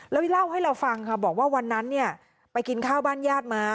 แล้วเล่าให้เราฟังค่ะบอกว่าวันนั้นเนี่ยไปกินข้าวบ้านญาติมา